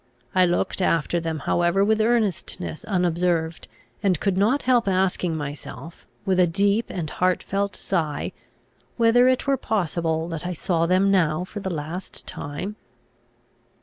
I looked after them however with earnestness, unobserved; and I could not help asking myself, with a deep and heartfelt sigh, whether it were possible that I saw them now for the last time?